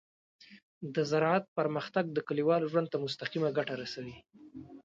د زراعت پرمختګ د کليوالو ژوند ته مستقیمه ګټه رسوي.